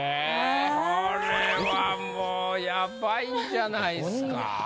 これはもうヤバいんじゃないっすか？